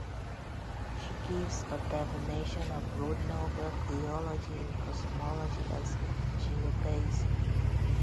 She gives a definition of Rodnover theology and cosmology as "genotheism".